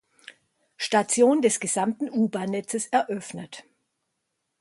Station des gesamten U-Bahn-Netzes eröffnet.